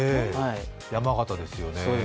山形ですよね。